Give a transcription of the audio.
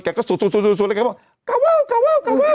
แกก็บอกกะวัว